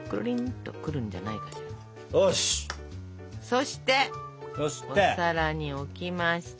そしてお皿に置きまして。